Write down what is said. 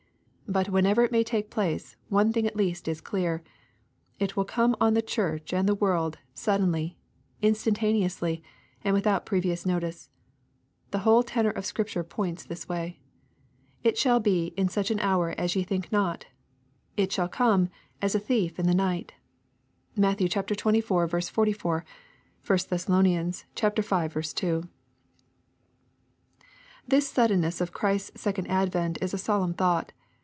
But whenever it may take place, one thing at least is clear, — it will come on the Church and the world suddenly, instantaneously, and without previous notice. The whole tenor v^f Scrip ture points this waj^ It shall be " in such an hour as yo think not/' — It shall come " as a thief in the night." (Matt. xxiv. 44 ; 1 Thess. v. 2.) This suddenness of Christ's second advent is a solemn thought.